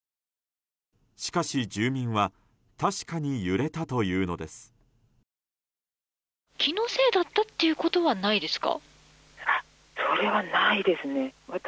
しかし、住民は確かに揺れたというのです。